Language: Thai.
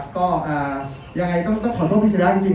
ก็ยังไงต้องขอโทษพิสิทธิ์แรกจริง